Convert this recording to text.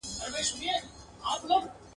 لوی واړه به پر سجده ورته پراته وي !.